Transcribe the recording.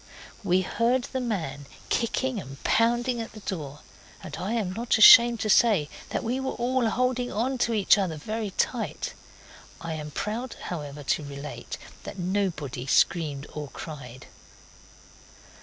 We heard the man kicking and pounding at the door, and I am not ashamed to say that we were all holding on to each other very tight. I am proud, however, to relate that nobody screamed or cried.